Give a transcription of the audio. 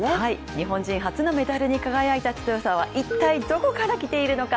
日本人初のメダルに輝いた強さは一体どこから来ているのか。